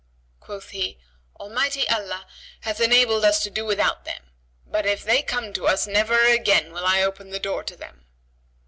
Quoth he, "Almighty Allah hath enabled us to do without them; but if they come to us never again will I open the door to them."